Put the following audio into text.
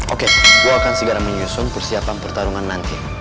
oke gue akan segera menyusun persiapan pertarungan nanti